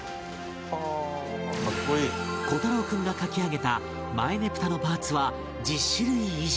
虎太朗君が描き上げた前ねぷたのパーツは１０種類以上